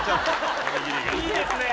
いいですね。